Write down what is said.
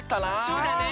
そうだね。